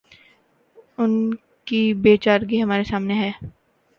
ان کی بے چارگی ہمارے سامنے ہے۔